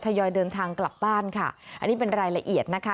ยอยเดินทางกลับบ้านค่ะอันนี้เป็นรายละเอียดนะคะ